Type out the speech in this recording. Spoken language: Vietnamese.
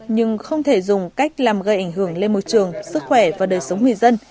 nhưng không thể dùng cách làm gây ảnh hưởng lên môi trường sức khỏe và đời sống người dân